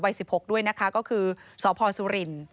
วัย๑๖ด้วยนะคะก็คือสพศรี